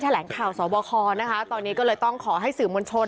ที่แถลงข่าวสวบคลตอนนี้ก็เลยต้องขอให้สื่อมณชน